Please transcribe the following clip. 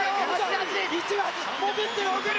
潜っている！